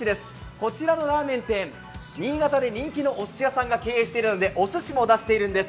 こちらのラーメン店、新潟で人気のおすし屋さんが経営しているのでおすしも出しているんです。